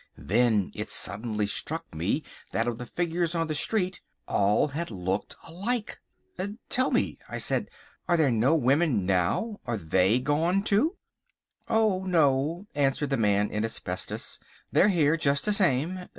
Then it suddenly struck me that of the figures on the street, all had looked alike. "Tell me," I said, "are there no women now? Are they gone too?" "Oh, no," answered the Man in Asbestos, "they're here just the same.